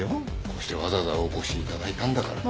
こうしてわざわざお越しいただいたんだから。